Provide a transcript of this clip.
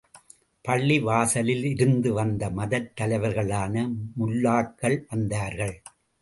பள்ளி வாசலிலிருந்து வந்த மதத் தலைவர்களான முல்லாக்களும் வந்தார்கள்.